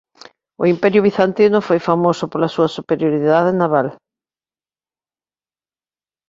O Imperio Bizantino foi famoso pola súa superioridade naval.